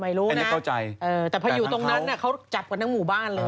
ไม่รู้นะแต่พออยู่ตรงนั้นเขาจับกับนักหมู่บ้านเลย